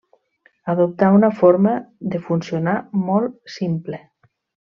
Adoptà una forma de funcionar molt simple.